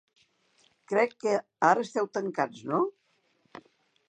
Crec que ara esteu tancats, no?